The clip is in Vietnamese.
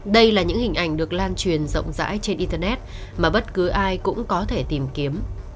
đây là những hình ảnh được lan truyền rộng rãi trên internet mà bất cứ ai cũng có thể tìm kiếm